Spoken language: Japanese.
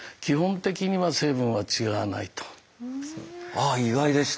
ああ意外でした。